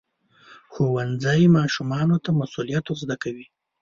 ښوونځی ماشومانو ته مسؤلیت ورزده کوي.